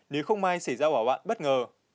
nếu không may xảy ra quả vạn bất ngờ